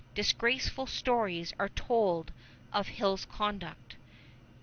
Disgraceful stories are told of Hull's conduct.